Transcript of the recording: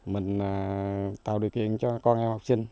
mình tạo điều kiện cho con em học sinh